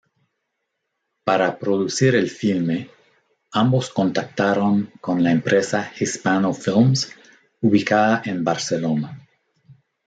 Para producir el filme, ambos contactaron con la empresa Hispano Films, ubicada en Barcelona.